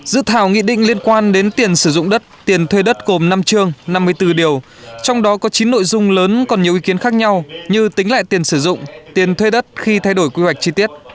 dự thảo nghị định liên quan đến tiền sử dụng đất tiền thuê đất gồm năm chương năm mươi bốn điều trong đó có chín nội dung lớn còn nhiều ý kiến khác nhau như tính lại tiền sử dụng tiền thuê đất khi thay đổi quy hoạch chi tiết